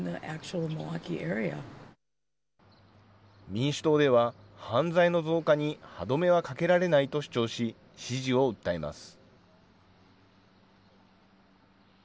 民主党では犯罪の増加に歯止めはかけられないと主張し、支持を訴えます。